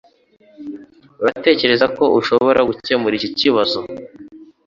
Uratekereza ko ushobora gukemura iki kibazo?